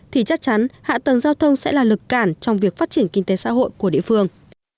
thì chắc chắn hạ tầng giao thông sẽ là lực cản trong việc phát triển kinh tế xã hội của địa phương